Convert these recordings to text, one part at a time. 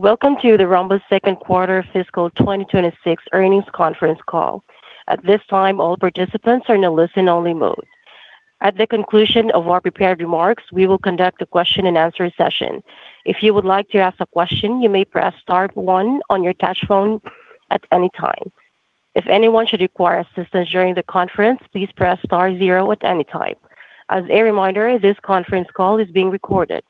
Welcome to the Rambus second quarter fiscal 2026 earnings conference call. At this time, all participants are in a listen-only mode. At the conclusion of our prepared remarks, we will conduct a question-and-answer session. If you would like to ask a question, you may press star one on your touch phone at any time. If anyone should require assistance during the conference, please press star zero at any time. As a reminder, this conference call is being recorded.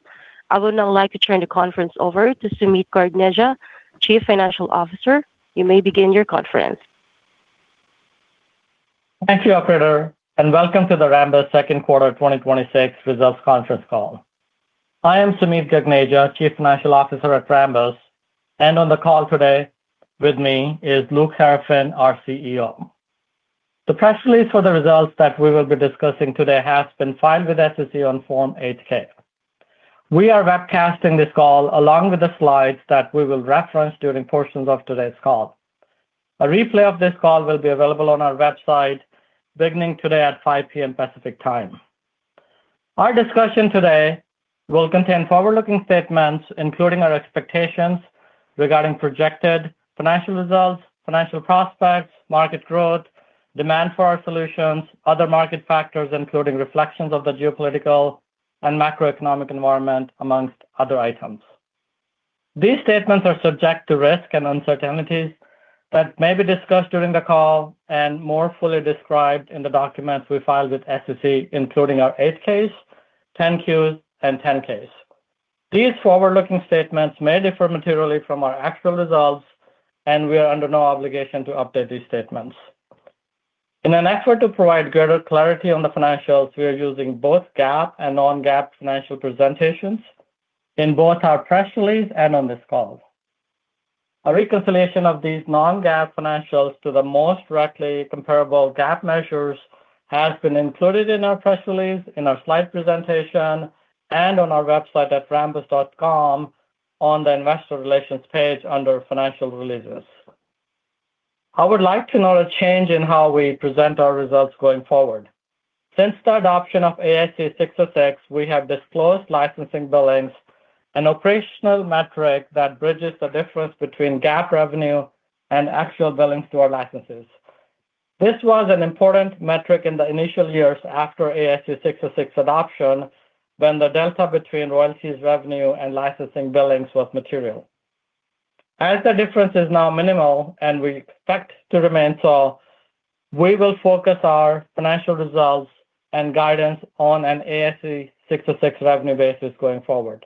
I would now like to turn the conference over to Sumeet Gagneja, Chief Financial Officer. You may begin your conference. Thank you, operator, and welcome to the Rambus second quarter 2026 results conference call. I am Sumeet Gagneja, Chief Financial Officer at Rambus, and on the call today with me is Luc Seraphin, our CEO. The press release for the results that we will be discussing today has been filed with SEC on Form 8-K. We are webcasting this call along with the slides that we will reference during portions of today's call. A replay of this call will be available on our website beginning today at 5:00 P.M. Pacific Time. Our discussion today will contain forward-looking statements, including our expectations regarding projected financial results, financial prospects, market growth, demand for our solutions, other market factors, including reflections of the geopolitical and macroeconomic environment, amongst other items. These statements are subject to risk and uncertainties that may be discussed during the call and more fully described in the documents we filed with SEC, including our 8-Ks, 10-Qs, and 10-Ks. These forward-looking statements may differ materially from our actual results, and we are under no obligation to update these statements. In an effort to provide greater clarity on the financials, we are using both GAAP and non-GAAP financial presentations in both our press release and on this call. A reconciliation of these non-GAAP financials to the most directly comparable GAAP measures has been included in our press release, in our slide presentation, and on our website at rambus.com on the investor relations page under financial releases. I would like to note a change in how we present our results going forward. Since the adoption of ASC 606, we have disclosed licensing billings, an operational metric that bridges the difference between GAAP revenue and actual billings to our licenses. This was an important metric in the initial years after ASC 606 adoption, when the delta between royalties revenue and licensing billings was material. As the difference is now minimal and we expect to remain so, we will focus our financial results and guidance on an ASC 606 revenue basis going forward.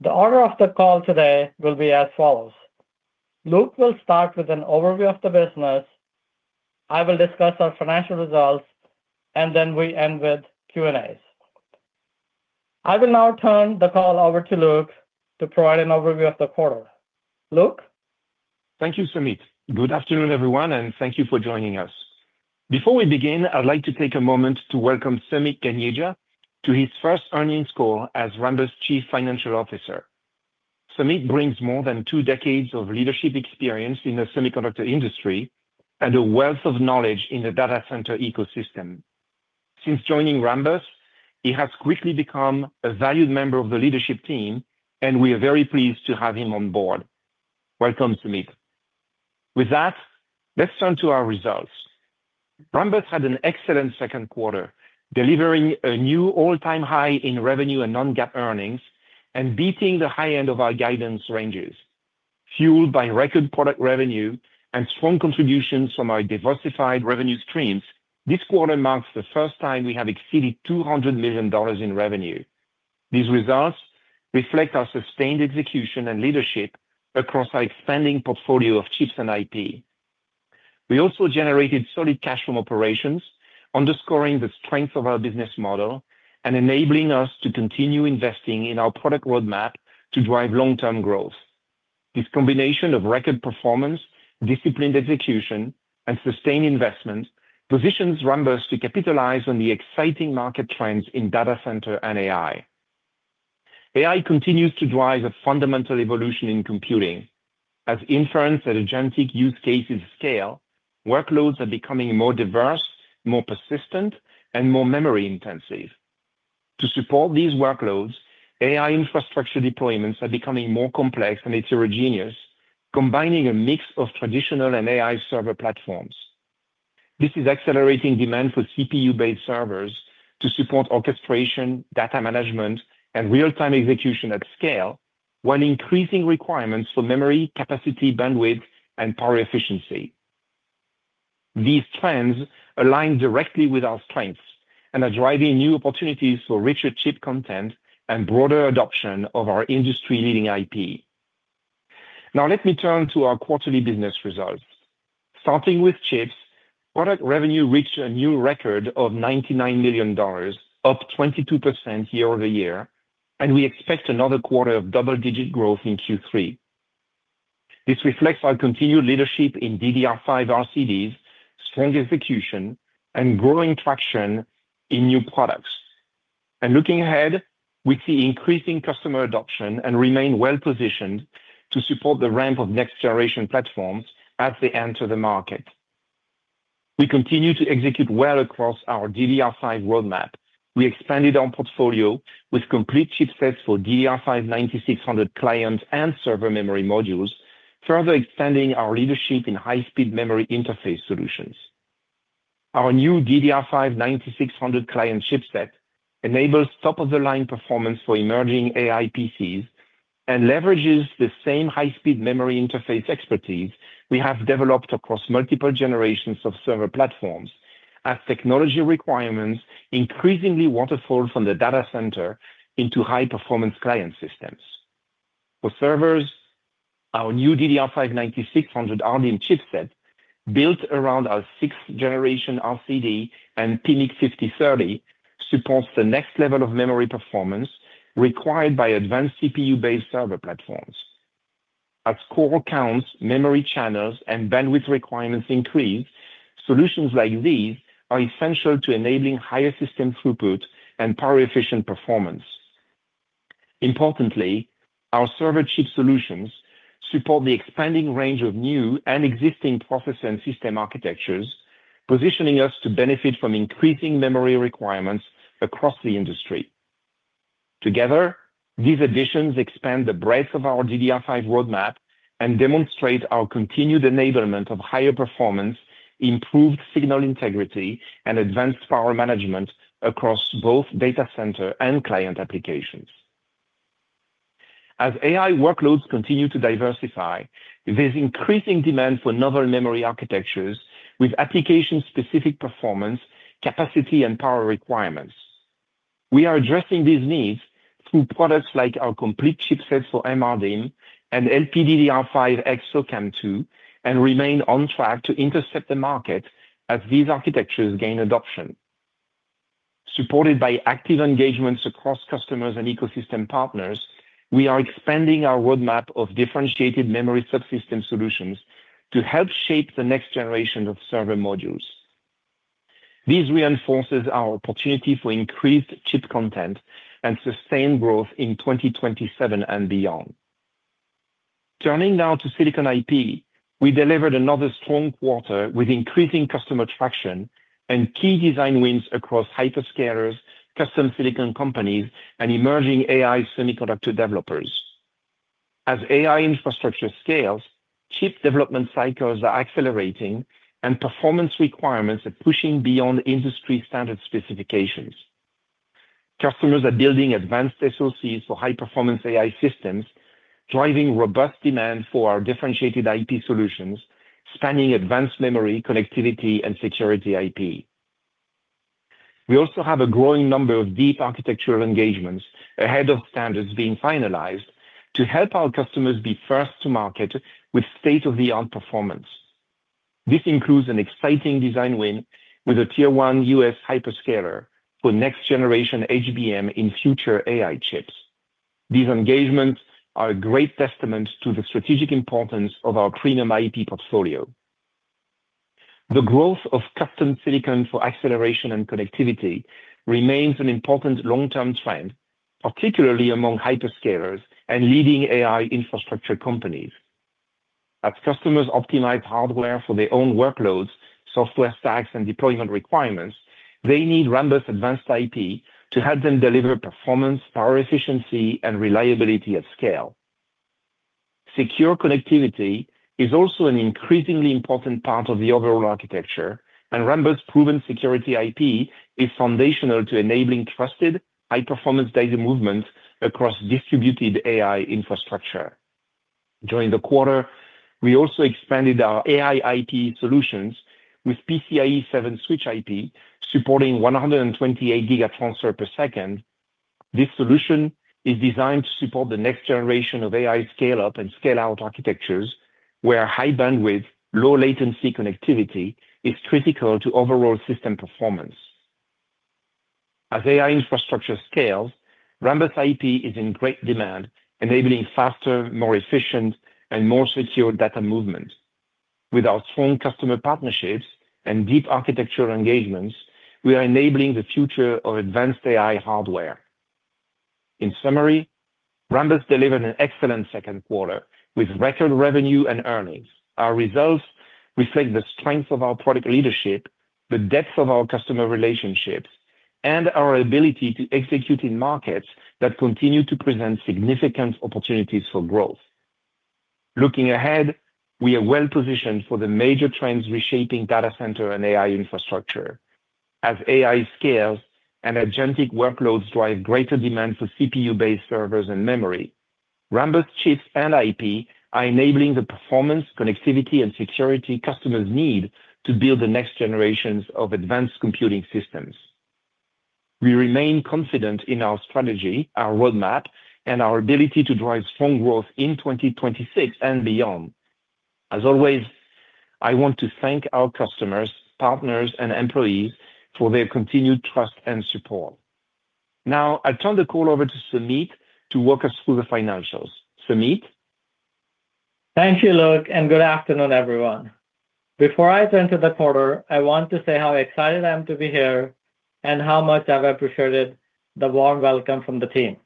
The order of the call today will be as follows. Luc will start with an overview of the business. I will discuss our financial results and then we end with Q&As. I will now turn the call over to Luc to provide an overview of the quarter. Luc? Thank you, Sumeet. Good afternoon, everyone, and thank you for joining us. Before we begin, I'd like to take a moment to welcome Sumeet Gagneja to his first earnings call as Rambus Chief Financial Officer. Sumeet brings more than two decades of leadership experience in the semiconductor industry and a wealth of knowledge in the data center ecosystem. Since joining Rambus, he has quickly become a valued member of the leadership team, and we are very pleased to have him on board. Welcome, Sumeet. With that, let's turn to our results. Rambus had an excellent second quarter, delivering a new all-time high in revenue and non-GAAP earnings and beating the high end of our guidance ranges. Fueled by record product revenue and strong contributions from our diversified revenue streams, this quarter marks the first time we have exceeded $200 million in revenue. These results reflect our sustained execution and leadership across our expanding portfolio of chips and IP. We also generated solid cash from operations, underscoring the strength of our business model and enabling us to continue investing in our product roadmap to drive long-term growth. This combination of record performance, disciplined execution, and sustained investment positions Rambus to capitalize on the exciting market trends in data center and AI. AI continues to drive a fundamental evolution in computing. As inference and agentic use cases scale, workloads are becoming more diverse, more persistent, and more memory intensive. To support these workloads, AI infrastructure deployments are becoming more complex and heterogeneous, combining a mix of traditional and AI server platforms. This is accelerating demand for CPU-based servers to support orchestration, data management, and real-time execution at scale, while increasing requirements for memory capacity, bandwidth, and power efficiency. These trends align directly with our strengths and are driving new opportunities for richer chip content and broader adoption of our industry-leading IP. Let me turn to our quarterly business results. Starting with chips, product revenue reached a new record of $99 million, up 22% year-over-year, and we expect another quarter of double-digit growth in Q3. This reflects our continued leadership in DDR5 RCDs, strong execution, and growing traction in new products. Looking ahead, we see increasing customer adoption and remain well positioned to support the ramp of next-generation platforms as they enter the market. We continue to execute well across our DDR5 roadmap. We expanded our portfolio with complete chipsets for DDR5 9600 client and server memory modules, further extending our leadership in high-speed memory interface solutions. Our new DDR5 9600 client chipset enables top-of-the-line performance for emerging AI PCs and leverages the same high-speed memory interface expertise we have developed across multiple generations of server platforms as technology requirements increasingly waterfall from the data center into high-performance client systems. For servers, our new DDR5 9600 RDIMM chipset, built around our sixth generation RCD and PMIC5030, supports the next level of memory performance required by advanced CPU-based server platforms. As core counts, memory channels, and bandwidth requirements increase, solutions like these are essential to enabling higher system throughput and power-efficient performance. Importantly, our server chip solutions support the expanding range of new and existing processor and system architectures, positioning us to benefit from increasing memory requirements across the industry. Together, these additions expand the breadth of our DDR5 roadmap and demonstrate our continued enablement of higher performance, improved signal integrity, and advanced power management across both data center and client applications. As AI workloads continue to diversify, there is increasing demand for novel memory architectures with application-specific performance, capacity, and power requirements. We are addressing these needs through products like our complete chipsets for MRDIMM and LPDDR5X SOCAMM2 and remain on track to intercept the market as these architectures gain adoption. Supported by active engagements across customers and ecosystem partners, we are expanding our roadmap of differentiated memory subsystem solutions to help shape the next generation of server modules. This reinforces our opportunity for increased chip content and sustained growth in 2027 and beyond. Turning now to silicon IP, we delivered another strong quarter with increasing customer traction and key design wins across hyperscalers, custom silicon companies, and emerging AI semiconductor developers. As AI infrastructure scales, chip development cycles are accelerating, and performance requirements are pushing beyond industry standard specifications. Customers are building advanced SoCs for high-performance AI systems, driving robust demand for our differentiated IP solutions, spanning advanced memory, connectivity, and security IP. We also have a growing number of deep architectural engagements ahead of standards being finalized to help our customers be first to market with state-of-the-art performance. This includes an exciting design win with a tier 1 U.S. hyperscaler for next generation HBM in future AI chips. These engagements are a great testament to the strategic importance of our premium IP portfolio. The growth of custom silicon for acceleration and connectivity remains an important long-term trend, particularly among hyperscalers and leading AI infrastructure companies. As customers optimize hardware for their own workloads, software stacks, and deployment requirements, they need Rambus advanced IP to help them deliver performance, power efficiency, and reliability at scale. Secure connectivity is also an increasingly important part of the overall architecture, and Rambus' proven security IP is foundational to enabling trusted high-performance data movement across distributed AI infrastructure. During the quarter, we also expanded our AI IP solutions with PCIe 7 switch IP supporting 128 GT/s. This solution is designed to support the next generation of AI scale up and scale out architectures, where high bandwidth, low latency connectivity is critical to overall system performance. As AI infrastructure scales, Rambus IP is in great demand, enabling faster, more efficient, and more secure data movement. With our strong customer partnerships and deep architectural engagements, we are enabling the future of advanced AI hardware. In summary, Rambus delivered an excellent second quarter with record revenue and earnings. Our results reflect the strength of our product leadership, the depth of our customer relationships, and our ability to execute in markets that continue to present significant opportunities for growth. Looking ahead, we are well-positioned for the major trends reshaping data center and AI infrastructure. As AI scales and agentic workloads drive greater demand for CPU-based servers and memory, Rambus chips and IP are enabling the performance, connectivity, and security customers need to build the next generations of advanced computing systems. We remain confident in our strategy, our roadmap, and our ability to drive strong growth in 2026 and beyond. As always, I want to thank our customers, partners, and employees for their continued trust and support. Now I turn the call over to Sumeet to walk us through the financials. Sumeet? Thank you, Luc, good afternoon, everyone. Before I enter the quarter, I want to say how excited I am to be here and how much I've appreciated the warm welcome from the team.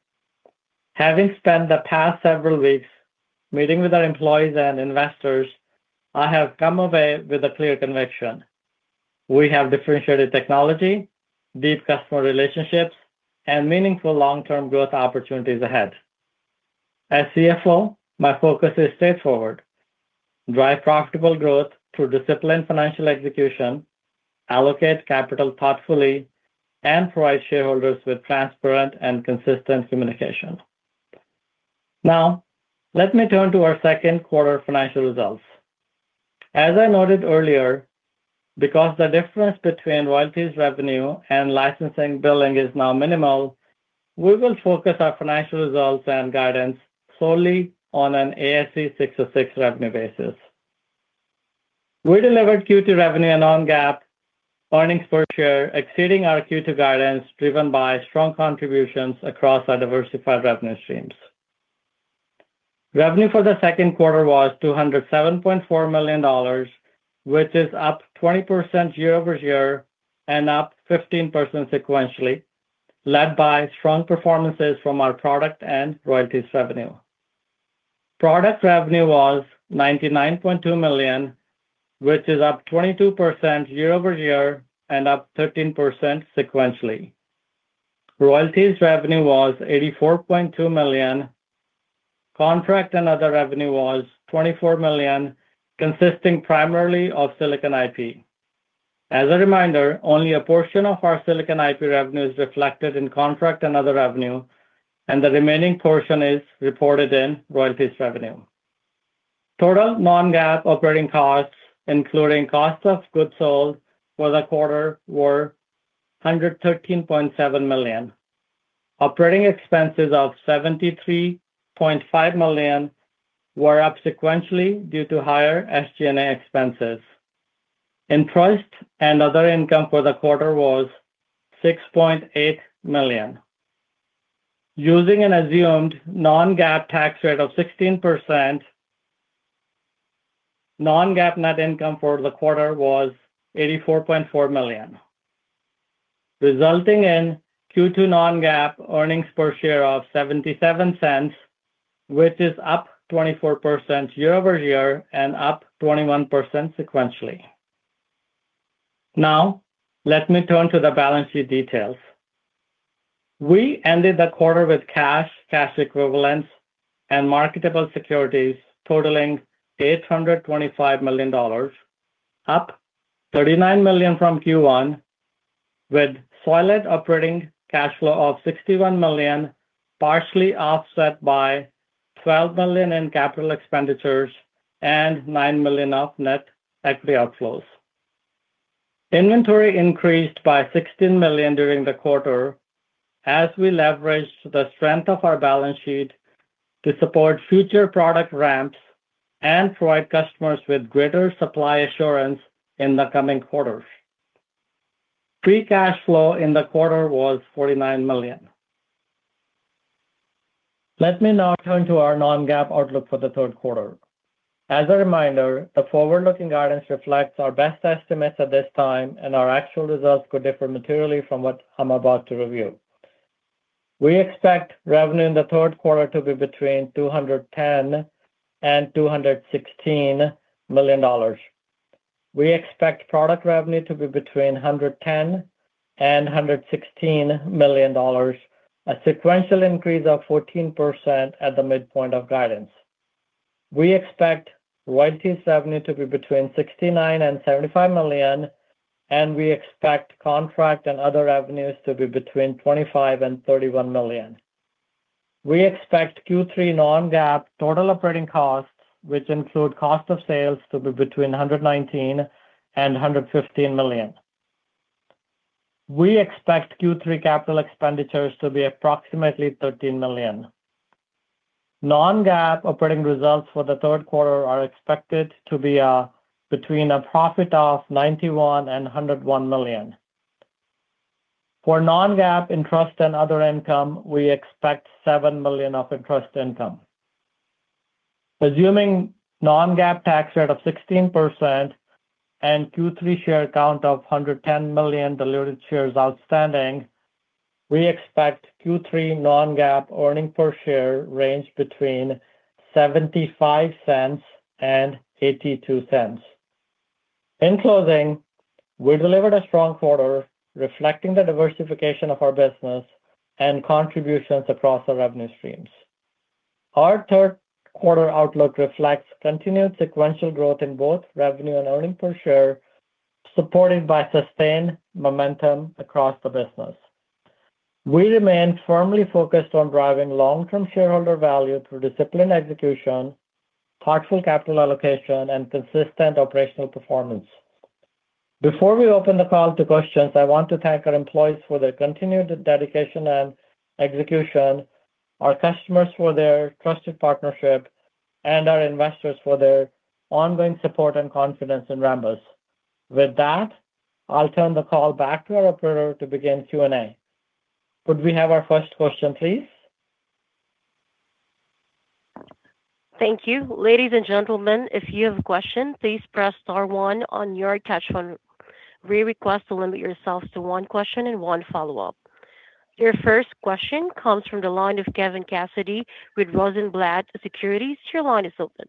Having spent the past several weeks meeting with our employees and investors, I have come away with a clear conviction. We have differentiated technology, deep customer relationships, and meaningful long-term growth opportunities ahead. As CFO, my focus is straightforward: drive profitable growth through disciplined financial execution, allocate capital thoughtfully, and provide shareholders with transparent and consistent communication. Let me turn to our second quarter financial results. As I noted earlier, because the difference between royalties revenue and licensing billing is now minimal, we will focus our financial results and guidance solely on an ASC 606 revenue basis. We delivered Q2 revenue and non-GAAP earnings per share exceeding our Q2 guidance driven by strong contributions across our diversified revenue streams. Revenue for the second quarter was $207.4 million, which is up 20% year-over-year and up 15% sequentially, led by strong performances from our product and royalties revenue. Product revenue was $99.2 million, which is up 22% year-over-year and up 13% sequentially. Royalties revenue was $84.2 million. Contract and other revenue was $24 million, consisting primarily of silicon IP. As a reminder, only a portion of our silicon IP revenue is reflected in contract and other revenue, and the remaining portion is reported in royalties revenue. Total non-GAAP operating costs, including cost of goods sold for the quarter, were $113.7 million. Operating expenses of $73.5 million were up sequentially due to higher SG&A expenses. Interest and other income for the quarter was $6.8 million. Using an assumed non-GAAP tax rate of 16%, non-GAAP net income for the quarter was $84.4 million, resulting in Q2 non-GAAP earnings per share of $0.77, which is up 24% year-over-year and up 21% sequentially. Let me turn to the balance sheet details. We ended the quarter with cash equivalents, and marketable securities totaling $825 million, up $39 million from Q1 with solid operating cash flow of $61 million, partially offset by $12 million in capital expenditures and $9 million of net equity outflows. Inventory increased by $16 million during the quarter as we leveraged the strength of our balance sheet to support future product ramps and provide customers with greater supply assurance in the coming quarters. Free cash flow in the quarter was $49 million. Let me now turn to our non-GAAP outlook for the third quarter. As a reminder, the forward-looking guidance reflects our best estimates at this time, and our actual results could differ materially from what I'm about to review. We expect revenue in the third quarter to be between $210 million and $216 million. We expect product revenue to be between $110 million and $116 million, a sequential increase of 14% at the midpoint of guidance. We expect royalties revenue to be between $69 million and $75 million, and we expect contract and other revenues to be between $25 million and $31 million. We expect Q3 non-GAAP total operating costs, which include cost of sales, to be between $119 million and $115 million. We expect Q3 capital expenditures to be approximately $13 million. Non-GAAP operating results for the third quarter are expected to be between a profit of $91 million and $101 million. For non-GAAP interest and other income, we expect $7 million of interest income. Assuming non-GAAP tax rate of 16% and Q3 share count of 110 million diluted shares outstanding, we expect Q3 non-GAAP earning per share range between $0.75 and $0.82. In closing, we delivered a strong quarter reflecting the diversification of our business and contributions across our revenue streams. Our third quarter outlook reflects continued sequential growth in both revenue and earnings per share, supported by sustained momentum across the business. We remain firmly focused on driving long-term shareholder value through disciplined execution, thoughtful capital allocation, and consistent operational performance. Before we open the call to questions, I want to thank our employees for their continued dedication and execution, our customers for their trusted partnership, and our investors for their ongoing support and confidence in Rambus. With that, I'll turn the call back to our operator to begin Q&A. Could we have our first question, please? Thank you. Ladies and gentlemen, if you have a question, please press star one on your touch phone. We request to limit yourselves to one question and one follow-up. Your first question comes from the line of Kevin Cassidy with Rosenblatt Securities. Your line is open.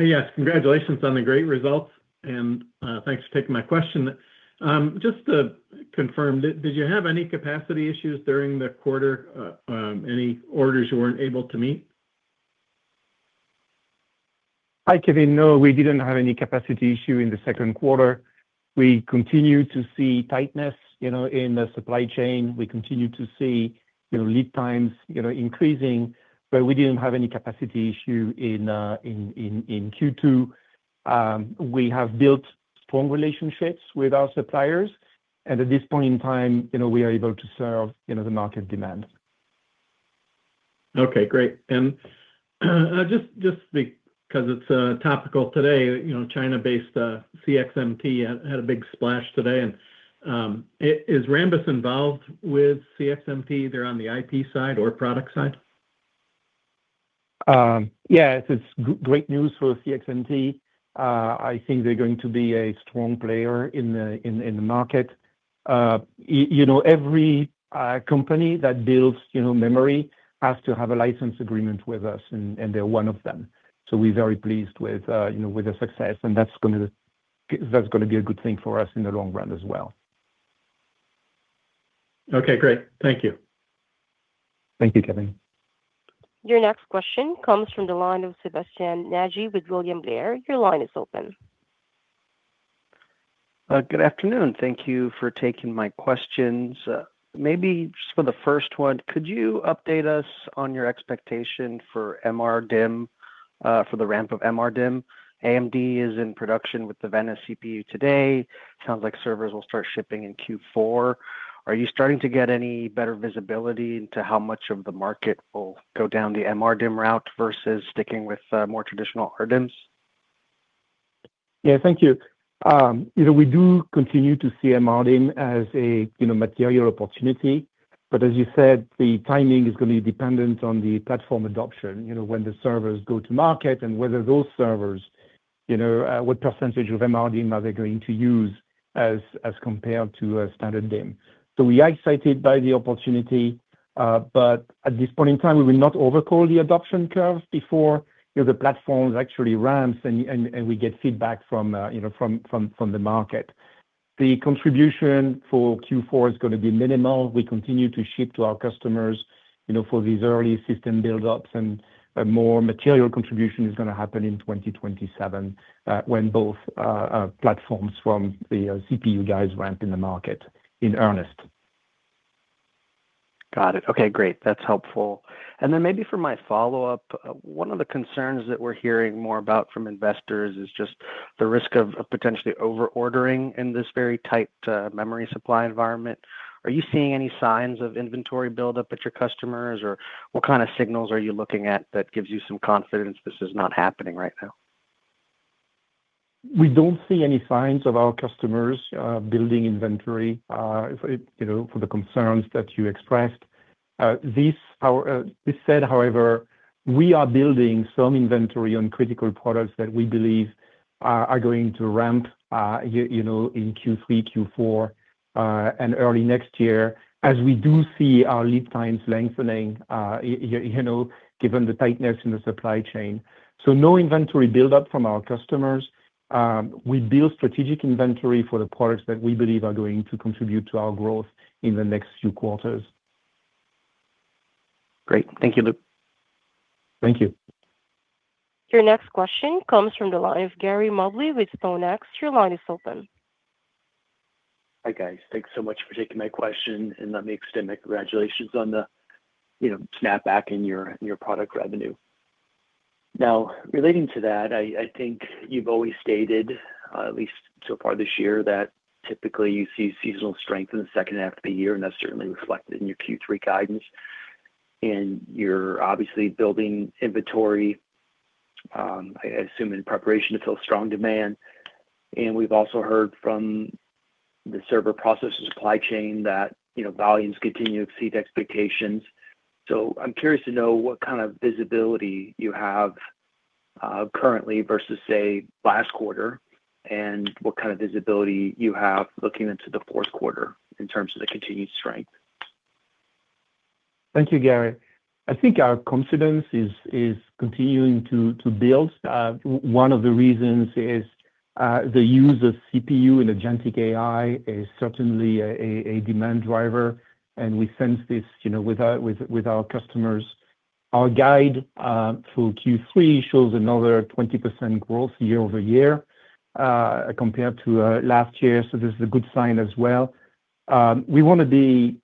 Yes. Congratulations on the great results and thanks for taking my question. Just to confirm, did you have any capacity issues during the quarter? Any orders you weren't able to meet? Hi, Kevin. No, we didn't have any capacity issue in the second quarter. We continue to see tightness in the supply chain. We continue to see lead times increasing, but we didn't have any capacity issue in Q2. We have built strong relationships with our suppliers, and at this point in time, we are able to serve the market demand. Okay, great. Just because it's topical today, China-based CXMT had a big splash today. Is Rambus involved with CXMT, either on the IP side or product side? Yes. It's great news for CXMT. I think they're going to be a strong player in the market. Every company that builds memory has to have a license agreement with us, and they're one of them. We're very pleased with their success, and that's going to be a good thing for us in the long run as well. Okay, great. Thank you. Thank you, Kevin. Your next question comes from the line of Sebastian Naji with William Blair. Your line is open. Good afternoon. Thank you for taking my questions. Maybe just for the first one, could you update us on your expectation for the ramp of MRDIMM? AMD is in production with the Venice CPU today. Sounds like servers will start shipping in Q4. Are you starting to get any better visibility into how much of the market will go down the MRDIMM route versus sticking with more traditional RDIMMs? Yeah, thank you. We do continue to see MRDIMM as a material opportunity. As you said, the timing is going to be dependent on the platform adoption, when the servers go to market and whether those servers, what percentage of MRDIMM are they going to use as compared to a standard DIMM. We are excited by the opportunity. At this point in time, we will not overcall the adoption curve before the platforms actually ramps and we get feedback from the market. The contribution for Q4 is going to be minimal. We continue to ship to our customers for these early system buildups, and a more material contribution is going to happen in 2027, when both platforms from the CPU guys ramp in the market in earnest. Got it. Okay, great. That's helpful. Maybe for my follow-up, one of the concerns that we're hearing more about from investors is just the risk of potentially over-ordering in this very tight memory supply environment. Are you seeing any signs of inventory buildup at your customers, or what kind of signals are you looking at that gives you some confidence this is not happening right now? We don't see any signs of our customers building inventory for the concerns that you expressed. This said, however, we are building some inventory on critical products that we believe are going to ramp in Q3, Q4, and early next year as we do see our lead times lengthening, given the tightness in the supply chain. No inventory buildup from our customers. We build strategic inventory for the products that we believe are going to contribute to our growth in the next few quarters. Great. Thank you, Luc. Thank you. Your next question comes from the line of Gary Mobley with StoneX. Your line is open. Hi, guys. Thanks so much for taking my question and let me extend my congratulations on the snap back in your product revenue. Relating to that, I think you've always stated, at least so far this year, that typically you see seasonal strength in the second half of the year, that's certainly reflected in your Q3 guidance. You're obviously building inventory, I assume, in preparation to feel strong demand. We've also heard from the server processor supply chain that volumes continue to exceed expectations. I'm curious to know what kind of visibility you have currently versus, say, last quarter, and what kind of visibility you have looking into the fourth quarter in terms of the continued strength. Thank you, Gary. I think our confidence is continuing to build. One of the reasons is the use of CPU and agentic AI is certainly a demand driver, we sense this with our customers. Our guide for Q3 shows another 20% growth year-over-year compared to last year. This is a good sign as well. We want to be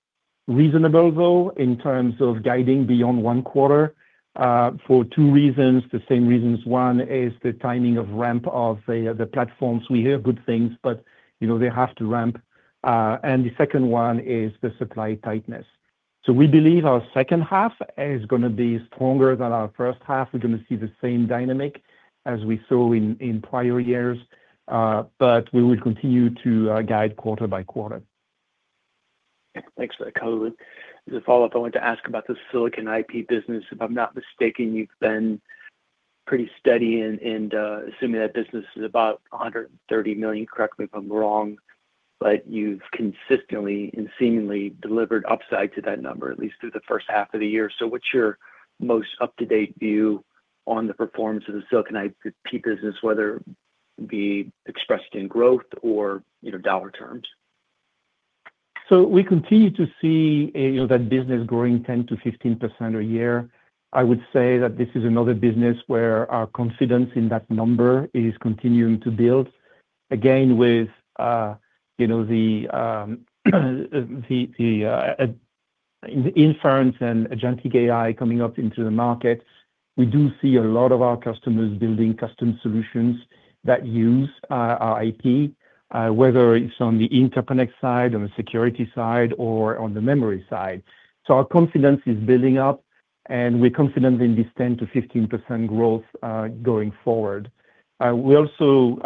reasonable, though, in terms of guiding beyond one quarter for two reasons. The same reasons. One is the timing of ramp of the platforms. We hear good things, they have to ramp. The second one is the supply tightness. We believe our second half is going to be stronger than our first half. We're going to see the same dynamic as we saw in prior years. We will continue to guide quarter by quarter. Thanks for that, Luc. As a follow-up, I wanted to ask about the silicon IP business. If I'm not mistaken, you've been pretty steady in assuming that business is about $130 million. Correct me if I'm wrong, you've consistently and seemingly delivered upside to that number, at least through the first half of the year. What's your most up-to-date view on the performance of the silicon IP business, whether it be expressed in growth or dollar terms? We continue to see that business growing 10%-15% a year. I would say that this is another business where our confidence in that number is continuing to build. Again, with the inference and agentic AI coming up into the market, we do see a lot of our customers building custom solutions that use our IP, whether it's on the interconnect side, on the security side, or on the memory side. Our confidence is building up, and we're confident in this 10%-15% growth going forward. It also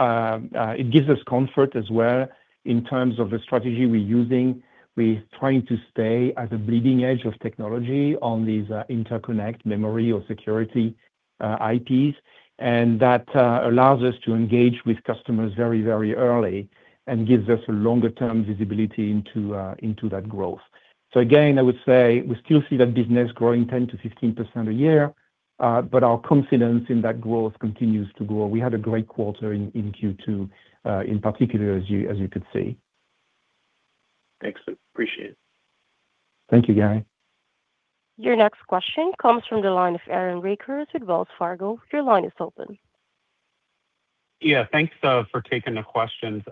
gives us comfort as well in terms of the strategy we're using with trying to stay at the bleeding edge of technology on these interconnect memory or security IPs. That allows us to engage with customers very early and gives us a longer-term visibility into that growth. Again, I would say we still see that business growing 10%-15% a year, but our confidence in that growth continues to grow. We had a great quarter in Q2, in particular, as you could see. Excellent. Appreciate it. Thank you, Gary. Your next question comes from the line of Aaron Rakers with Wells Fargo. Your line is open. Yeah. Thanks for taking the questions.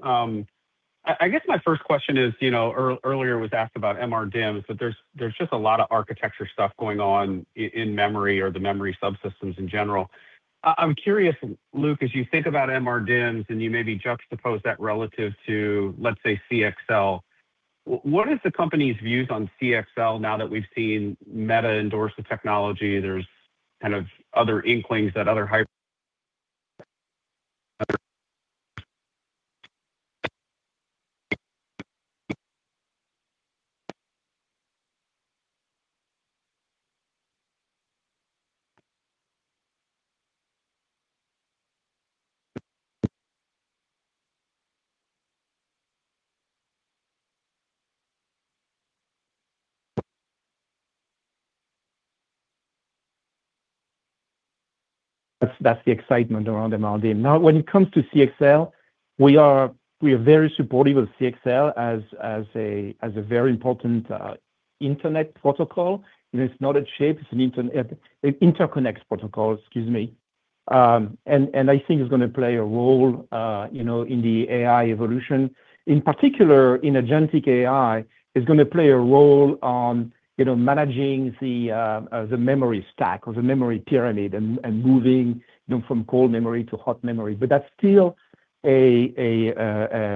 I guess my first question is, earlier was asked about MRDIMMs, but there's just a lot of architecture stuff going on in memory or the memory subsystems in general. I'm curious, Luc, as you think about MRDIMMs and you maybe juxtapose that relative to, let's say, CXL. What is the company's views on CXL now that we've seen Meta endorse the technology? There's other inklings that other hype. That's the excitement around MRDIMM. When it comes to CXL, we are very supportive of CXL as a very important internet protocol. It's not a shape, it's an interconnect protocol, excuse me. I think it's going to play a role in the AI evolution. In particular, in agentic AI, it's going to play a role on managing the memory stack or the memory pyramid and moving from cold memory to hot memory. That's still, I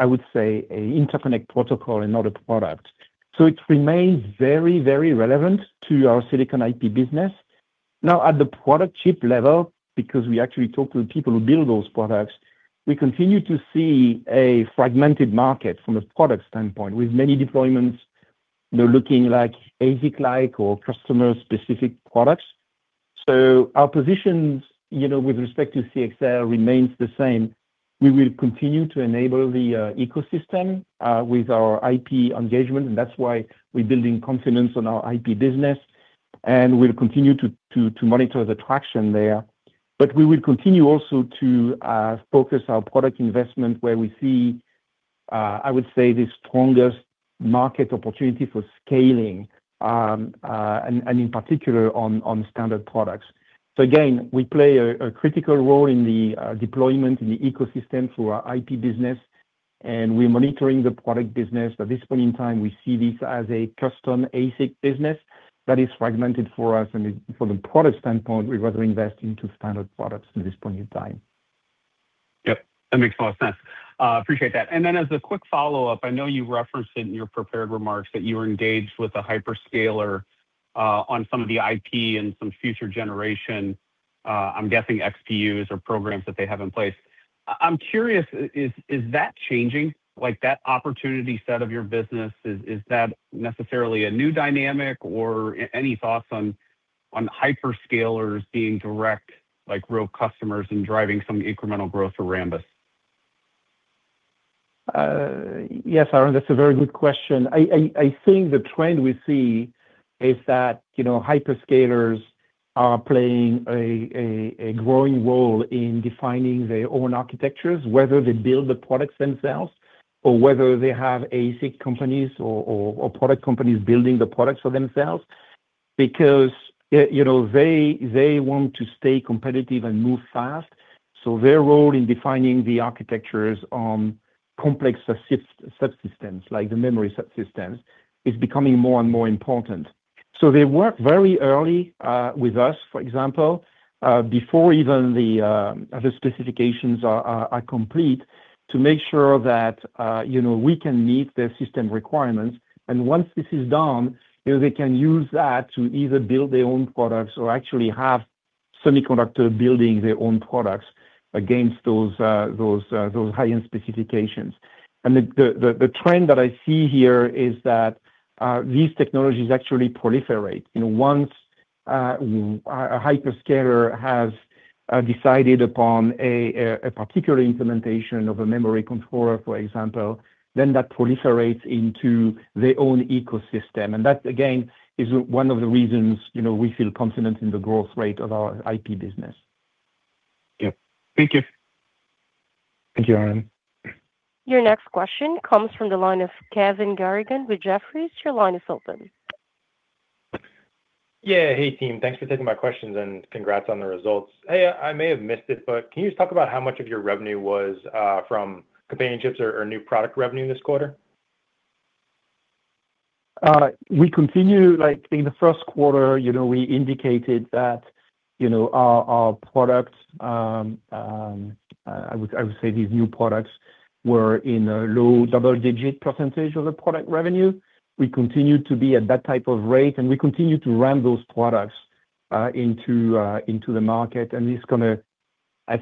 would say, an interconnect protocol and not a product. It remains very relevant to our silicon IP business. At the product chip level, because we actually talk to the people who build those products, we continue to see a fragmented market from a product standpoint, with many deployments looking ASIC-like or customer-specific products. Our positions with respect to CXL remains the same. We will continue to enable the ecosystem with our IP engagement, that's why we're building confidence on our IP business, we'll continue to monitor the traction there. We will continue also to focus our product investment where we see, I would say, the strongest market opportunity for scaling, and in particular, on standard products. Again, we play a critical role in the deployment in the ecosystem through our IP business, we're monitoring the product business. At this point in time, we see this as a custom ASIC business that is fragmented for us. From the product standpoint, we'd rather invest into standard products at this point in time. Yep. That makes a lot of sense. Appreciate that. As a quick follow-up, I know you referenced it in your prepared remarks that you were engaged with a hyperscaler on some of the IP and some future generation, I'm guessing, XPUs or programs that they have in place. I'm curious, is that changing? That opportunity set of your business, is that necessarily a new dynamic? Or any thoughts on hyperscalers being direct, real customers and driving some incremental growth for Rambus? Yes, Aaron, that's a very good question. I think the trend we see is that hyperscalers are playing a growing role in defining their own architectures, whether they build the products themselves or whether they have ASIC companies or product companies building the products for themselves. They want to stay competitive and move fast, their role in defining the architectures on complex subsystems, like the memory subsystems, is becoming more and more important. They work very early with us, for example, before even the other specifications are complete to make sure that we can meet their system requirements. Once this is done, they can use that to either build their own products or actually have Semiconductor building their own products against those high-end specifications. The trend that I see here is that these technologies actually proliferate. Once a hyperscaler has decided upon a particular implementation of a memory controller, for example, then that proliferates into their own ecosystem. That, again, is one of the reasons we feel confident in the growth rate of our IP business. Yep. Thank you. Thank you, Aaron. Your next question comes from the line of Kevin Garrigan with Jefferies. Your line is open. Yeah. Hey, team. Thanks for taking my questions and congrats on the results. Hey, I may have missed it, but can you just talk about how much of your revenue was from companion chips or new product revenue this quarter? In the first quarter, we indicated that our products, I would say these new products, were in a low double-digit percentage of the product revenue. We continue to be at that type of rate, and we continue to ramp those products into the market. It's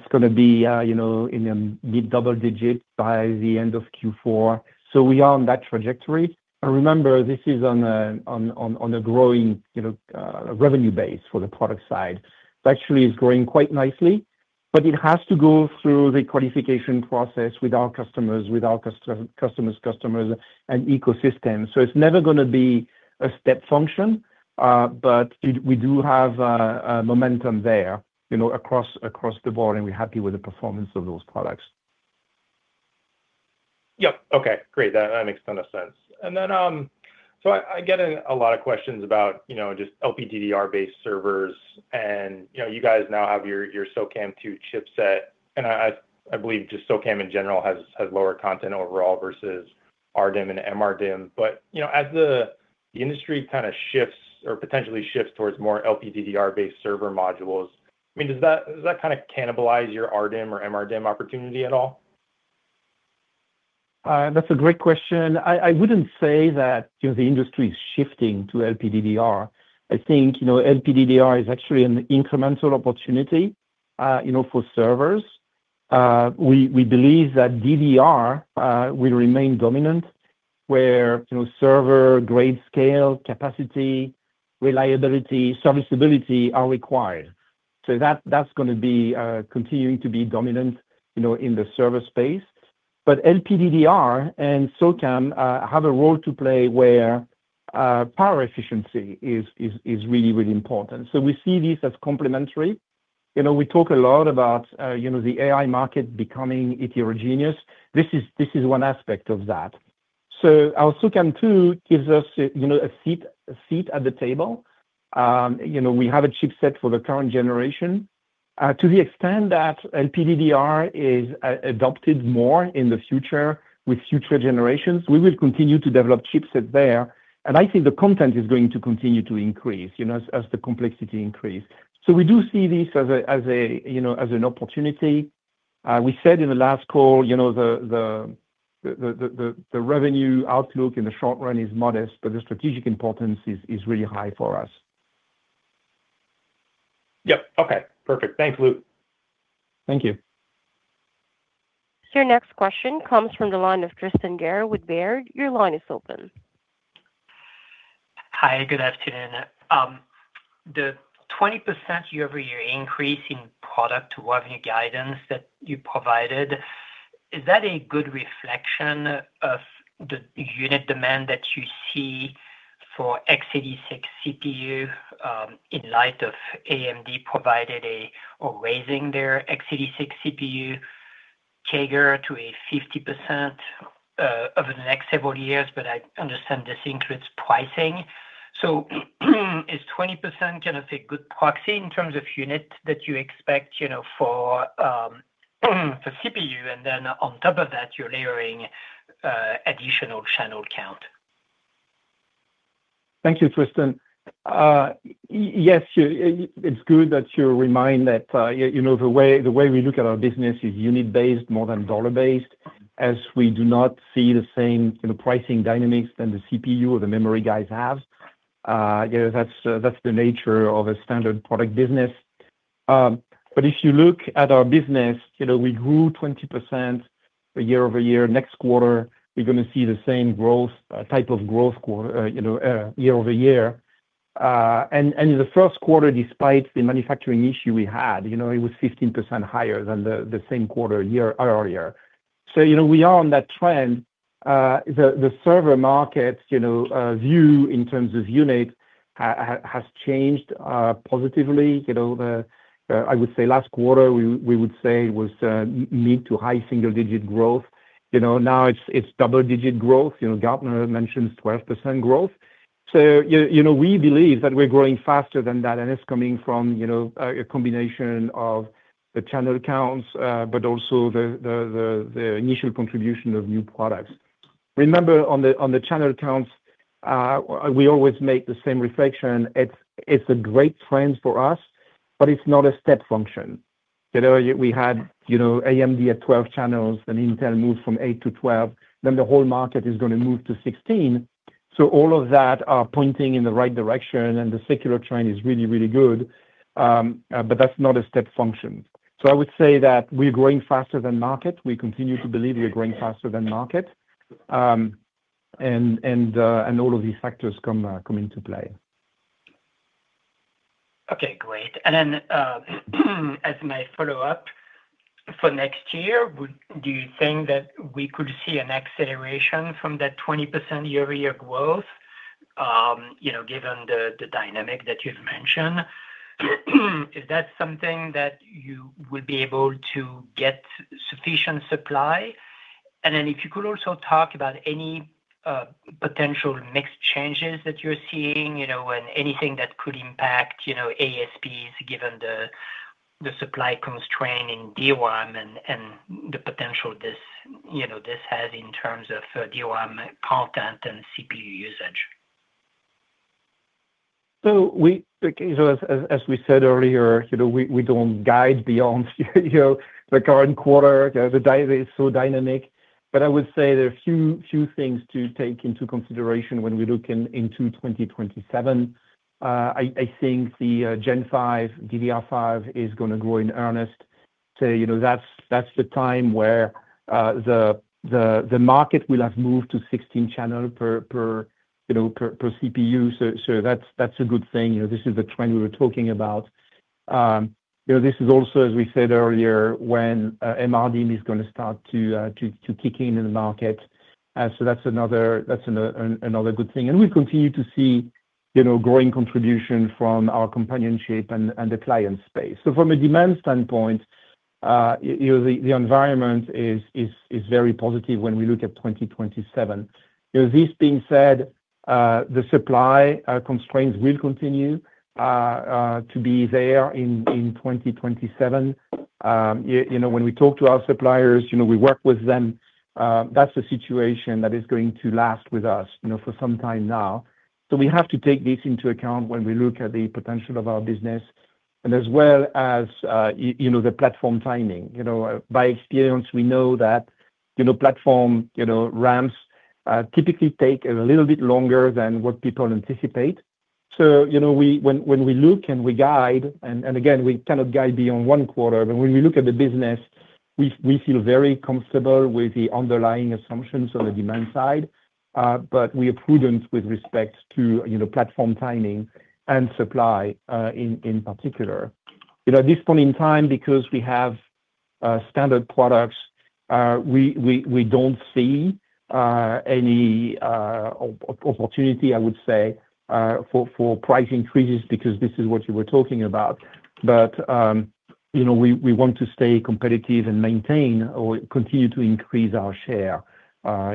going to be in the mid double-digit by the end of Q4. We are on that trajectory. Remember, this is on a growing revenue base for the product side. It actually is growing quite nicely, but it has to go through the qualification process with our customers' customers, and ecosystem. It's never going to be a step function, but we do have momentum there across the board, and we're happy with the performance of those products. Yep. Okay. Great. That makes ton of sense. I get a lot of questions about just LPDDR-based servers, and you guys now have your SOCAMM2 chipset, and I believe just SOCAMM in general has lower content overall versus RDIMM and MRDIMM. As the industry kind of shifts or potentially shifts towards more LPDDR-based server modules, does that kind of cannibalize your RDIMM or MRDIMM opportunity at all? That's a great question. I wouldn't say that the industry is shifting to LPDDR. I think LPDDR is actually an incremental opportunity for servers. We believe that DDR will remain dominant, where server grade scale, capacity, reliability, serviceability are required. That's going to be continuing to be dominant in the server space. LPDDR and SOCAMM have a role to play where power efficiency is really, really important. We see this as complementary. We talk a lot about the AI market becoming heterogeneous. This is one aspect of that. Our SOCAMM2 gives us a seat at the table. We have a chipset for the current generation. To the extent that LPDDR is adopted more in the future with future generations, we will continue to develop chipset there. I think the content is going to continue to increase, as the complexity increase. We do see this as an opportunity. We said in the last call, the revenue outlook in the short run is modest, but the strategic importance is really high for us. Yep. Okay, perfect. Thanks, Luc. Thank you. Your next question comes from the line of Tristan Gerra with Baird. Your line is open. Hi, good afternoon. The 20% year-over-year increase in product revenue guidance that you provided, is that a good reflection of the unit demand that you see for x86 CPU, in light of AMD provided a raising their x86 CPU CAGR to a 50% over the next several years, I understand this includes pricing. Is 20% kind of a good proxy in terms of unit that you expect, for CPU and then on top of that, you're layering additional channel count? Thank you, Tristan. Yes, it's good that you remind that the way we look at our business is unit-based more than dollar-based, as we do not see the same pricing dynamics than the CPU or the memory guys have. That's the nature of a standard product business. If you look at our business, we grew 20% year-over-year. Next quarter, we're going to see the same type of growth year-over-year. The first quarter, despite the manufacturing issue we had, it was 15% higher than the same quarter a year earlier. We are on that trend. The server market view in terms of units, has changed positively. I would say last quarter, we would say was mid to high single-digit growth. Now it's double-digit growth. Gartner mentions 12% growth. We believe that we're growing faster than that. It's coming from a combination of the channel accounts, also the initial contribution of new products. Remember, on the channel accounts, we always make the same reflection. It's a great trend for us, but it's not a step function. We had AMD at 12 channels. Intel moved from 8 to 12. The whole market is going to move to 16. All of that are pointing in the right direction, and the secular trend is really, really good. That's not a step function. I would say that we're growing faster than market. We continue to believe we are growing faster than market. All of these factors come into play. Okay, great. As my follow-up, for next year, do you think that we could see an acceleration from that 20% year-over-year growth, given the dynamic that you've mentioned? Is that something that you will be able to get sufficient supply? If you could also talk about any potential mix changes that you're seeing, and anything that could impact ASPs given the supply constraint in DRAM and the potential this has in terms of DRAM content and CPU usage. As we said earlier, we don't guide beyond the current quarter. The data is so dynamic. I would say there are a few things to take into consideration when we look into 2027. I think the Gen5 DDR5 is going to grow in earnest. That's the time where the market will have moved to 16 channel per CPU. That's a good thing. This is the trend we were talking about. This is also, as we said earlier, when MRDIMM is going to start to kick in in the market. That's another good thing. We continue to see growing contribution from our companionship and the client space. From a demand standpoint, the environment is very positive when we look at 2027. This being said, the supply constraints will continue to be there in 2027. When we talk to our suppliers, we work with them. That's the situation that is going to last with us for some time now. We have to take this into account when we look at the potential of our business and as well as the platform timing. By experience, we know that platform ramps typically take a little bit longer than what people anticipate. When we look and we guide, and again, we cannot guide beyond one quarter, when we look at the business, we feel very comfortable with the underlying assumptions on the demand side. We are prudent with respect to platform timing and supply, in particular. At this point in time, because we have standard products, we don't see any opportunity, I would say, for price increases, because this is what you were talking about. We want to stay competitive and maintain or continue to increase our share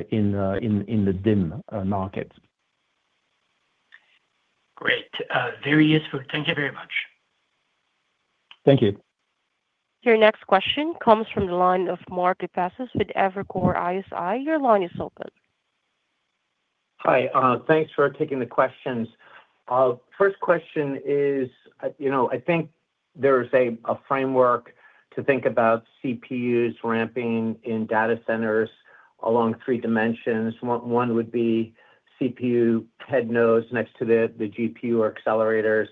in the DIMM markets. Great. Very useful. Thank you very much. Thank you. Your next question comes from the line of Mark Lipacis with Evercore ISI. Your line is open. Hi. Thanks for taking the questions. First question is, I think there is a framework to think about CPUs ramping in data centers along three dimensions. One would be CPU head nodes next to the GPU or accelerators.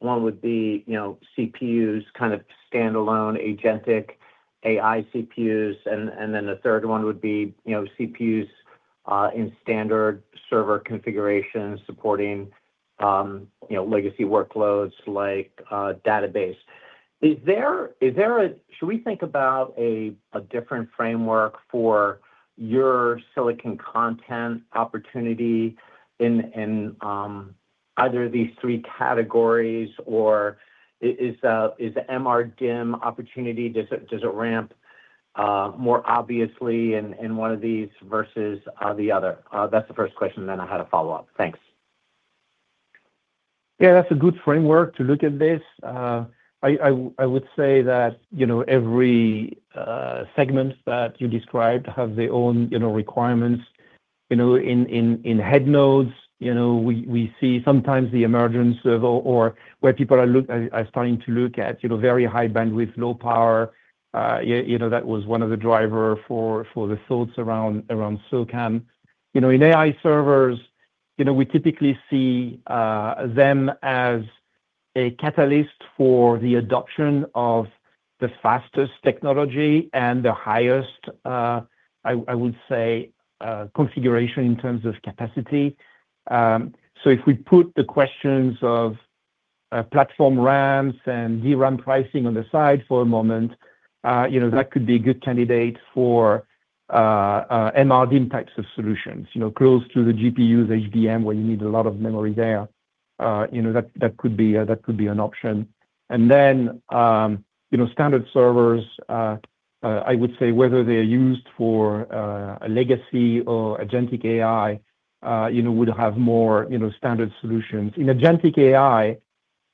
One would be CPUs kind of standalone agentic AI CPUs. The third one would be CPUs, in standard server configurations supporting legacy workloads like database. Should we think about a different framework for your silicon content opportunity in either of these three categories, or is the MRDIMM opportunity, does it ramp more obviously in one of these versus the other? That's the first question, then I had a follow-up. Thanks. Yeah, that's a good framework to look at this. I would say that every segment that you described have their own requirements. In head nodes, we see sometimes the emergence of, or where people are starting to look at very high bandwidth, low power. That was one of the driver for the thoughts around SOCAMM. If we put the questions of platform RAMs and DRAM pricing on the side for a moment, that could be a good candidate for MRDIMM types of solutions, close to the GPU's HBM, where you need a lot of memory there. That could be an option. Standard servers, I would say, whether they're used for a legacy or agentic AI, would have more standard solutions. In agentic AI,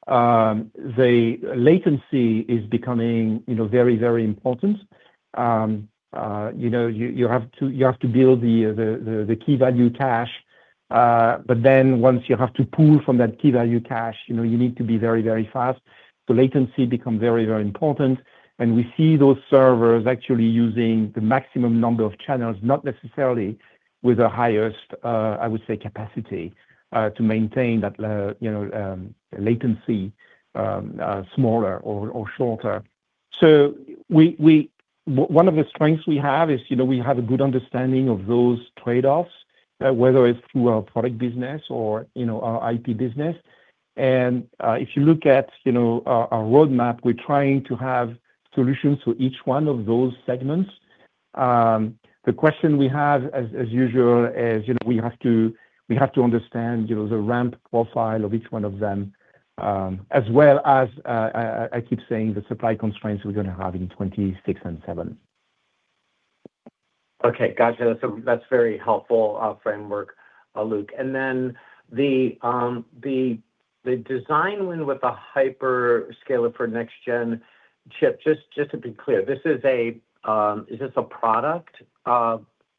the latency is becoming very important. You have to build the key value cache But then once you have to pull from that key value cache, you need to be very fast. Latency becomes very important, and we see those servers actually using the maximum number of channels, not necessarily with the highest, I would say, capacity to maintain that latency smaller or shorter. One of the strengths we have is we have a good understanding of those trade-offs, whether it's through our product business or our IP business. If you look at our roadmap, we're trying to have solutions for each one of those segments. The question we have, as usual is, we have to understand the ramp profile of each one of them, as well as, I keep saying, the supply constraints we're going to have in 2026 and 2027. Okay. Got you. That's a very helpful framework, Luc. Then the design win with a hyperscaler for next-gen chip, just to be clear, is this a product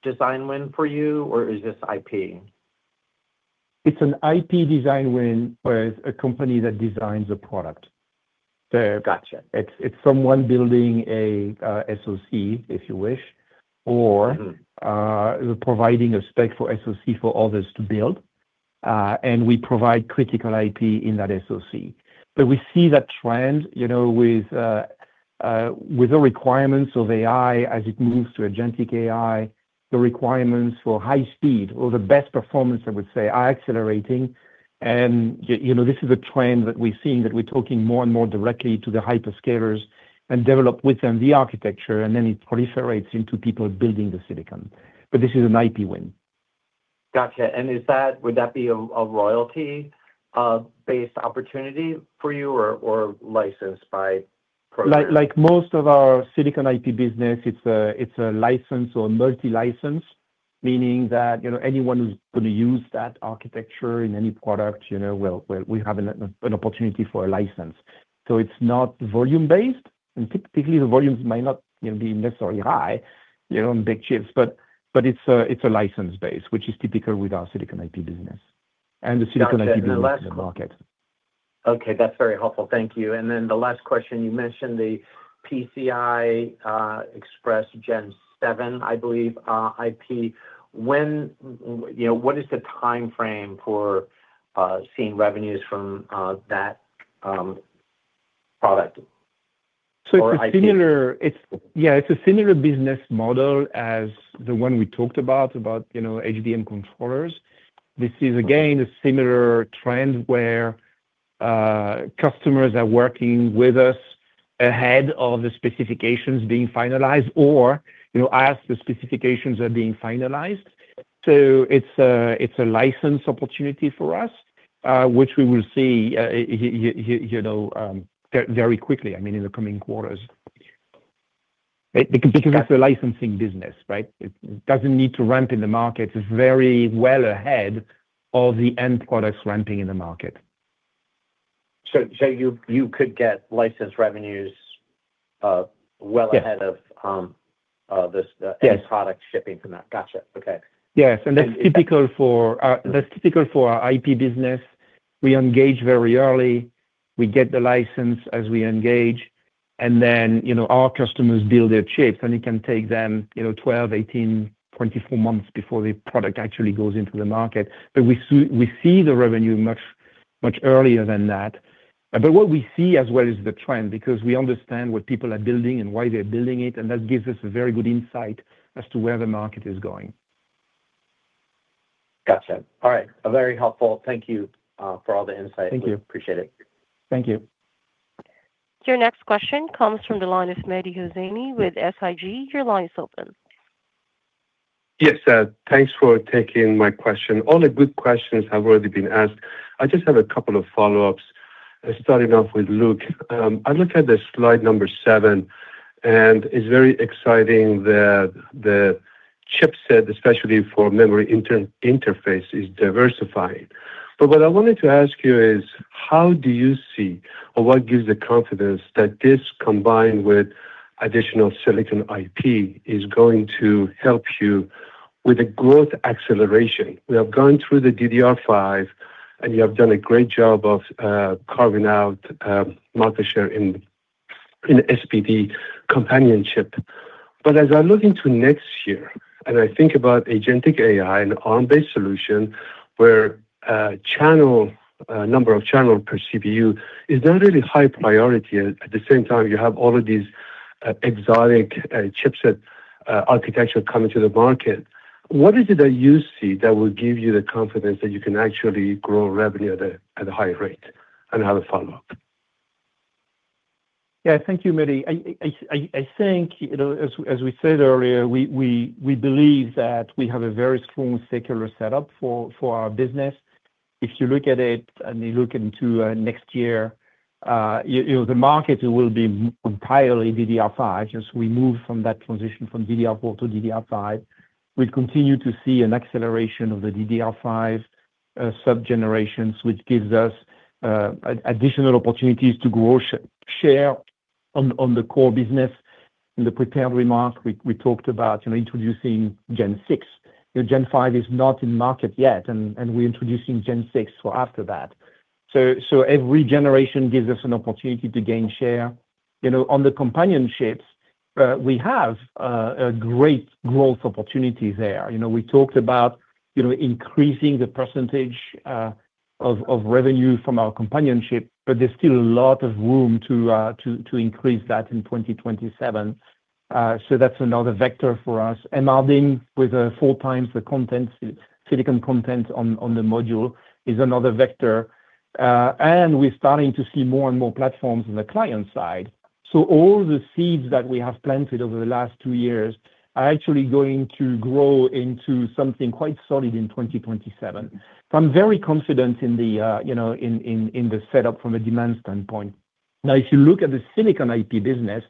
design win for you, or is this IP? It's an IP design win for a company that designs a product. Got you. It's someone building a SoC, if you wish, or providing a spec for SoC for others to build. We provide critical IP in that SoC. We see that trend, with the requirements of AI as it moves to agentic AI, the requirements for high-speed or the best performance, I would say, are accelerating. This is a trend that we're seeing, that we're talking more and more directly to the hyperscalers and develop with them the architecture, then it proliferates into people building the silicon. This is an IP win. Got you. Would that be a royalty-based opportunity for you or licensed by program? Like most of our silicon IP business, it's a license or multi-license, meaning that anyone who's going to use that architecture in any product, we have an opportunity for a license. It's not volume-based, and typically, the volumes might not be necessarily high on big chips, but it's a license base, which is typical with our silicon IP business and the silicon IP business in the market. Okay, that's very helpful. Thank you. The last question, you mentioned the PCI Express Gen 7, I believe, IP. What is the time frame for seeing revenues from that product? It's a similar business model as the one we talked about HBM controllers. This is, again, a similar trend where customers are working with us ahead of the specifications being finalized or as the specifications are being finalized. It's a license opportunity for us, which we will see very quickly, in the coming quarters. Because it's a licensing business, right? It doesn't need to ramp in the market. It's very well ahead of the end products ramping in the market. You could get license revenues well ahead- Yeah. of this end product shipping from that. Got you. Okay. Yes. That's typical for our IP business. We engage very early. We get the license as we engage, and then our customers build their chips, and it can take them 12, 18, 24 months before the product actually goes into the market. We see the revenue much earlier than that. What we see as well is the trend, because we understand what people are building and why they're building it, and that gives us a very good insight as to where the market is going. Got you. All right. Very helpful. Thank you for all the insight. Thank you. Appreciate it. Thank you. Your next question comes from the line of Mehdi Hosseini with SIG. Your line is open. Yes. Thanks for taking my question. All the good questions have already been asked. I just have a couple of follow-ups. Starting off with Luc. I looked at the slide number seven, and it's very exciting that the chipset, especially for memory interface, is diversifying. What I wanted to ask you is how do you see, or what gives the confidence that this, combined with additional silicon IP, is going to help you with the growth acceleration? We have gone through the DDR5, and you have done a great job of carving out market share in SPD companionship. As I look into next year and I think about agentic AI and the Arm-based solution where number of channel per CPU is not really high priority, at the same time, you have all of these exotic chipset architecture coming to the market. What is it that you see that will give you the confidence that you can actually grow revenue at a higher rate? I have a follow-up. Yeah. Thank you, Mehdi. I think, as we said earlier, we believe that we have a very strong secular setup for our business. If you look at it and you look into next year, the market will be entirely DDR5. As we move from that transition from DDR4 to DDR5, we'll continue to see an acceleration of the DDR5 sub-generations, which gives us additional opportunities to grow, share on the core business. In the prepared remarks, we talked about introducing Gen6. Gen5 is not in market yet, and we're introducing Gen6 for after that. Every generation gives us an opportunity to gain share. On the companionships, we have a great growth opportunity there. We talked about increasing the percentage of revenue from our companionship, there's still a lot of room to increase that in 2027. That's another vector for us. MRDIMM with four times the silicon content on the module is another vector. We're starting to see more and more platforms on the client side. All the seeds that we have planted over the last two years are actually going to grow into something quite solid in 2027. I'm very confident in the setup from a demand standpoint. Now, if you look at the silicon IP business,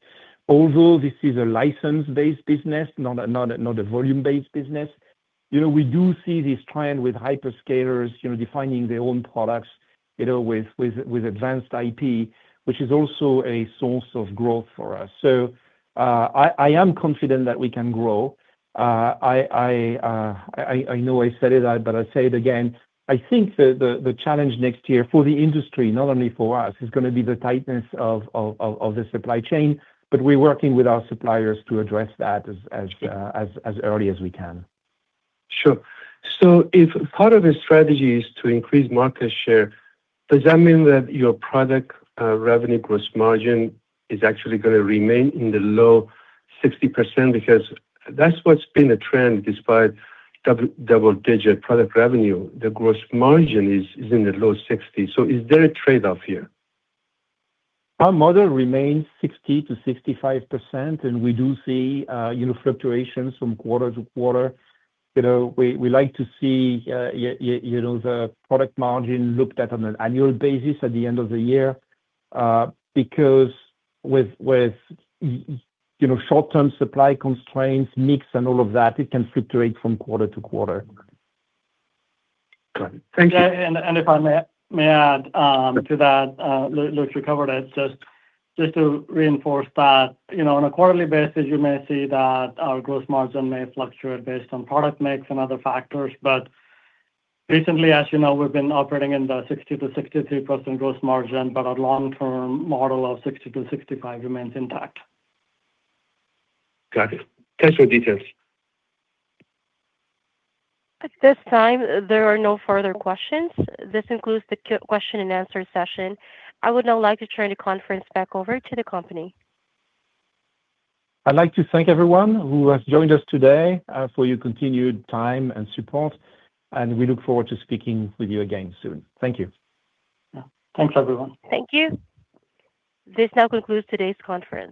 although this is a license-based business, not a volume-based business, we do see this trend with hyperscalers defining their own products with advanced IP, which is also a source of growth for us. I am confident that we can grow. I know I said it, I'll say it again. I think the challenge next year for the industry, not only for us, is going to be the tightness of the supply chain, but we're working with our suppliers to address that as early as we can. Sure. If part of the strategy is to increase market share, does that mean that your product revenue gross margin is actually going to remain in the low 60%? Because that's what's been a trend despite double-digit product revenue. The gross margin is in the low 60%. Is there a trade-off here? Our model remains 60%-65%. We do see fluctuations from quarter-to-quarter. We like to see the product margin looked at on an annual basis at the end of the year, because with short-term supply constraints, mix, and all of that, it can fluctuate from quarter-to-quarter. Got it. Thank you. If I may add to that, Luc covered it. Just to reinforce that, on a quarterly basis, you may see that our gross margin may fluctuate based on product mix and other factors. Recently, as you know, we've been operating in the 60%-63% gross margin, our long-term model of 60%-65% remains intact. Got it. Thanks for details. At this time, there are no further questions. This concludes the question and answer session. I would now like to turn the conference back over to the company. I'd like to thank everyone who has joined us today for your continued time and support. We look forward to speaking with you again soon. Thank you. Yeah. Thanks, everyone. Thank you. This now concludes today's conference.